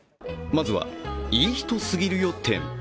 まずはいい人すぎるよ展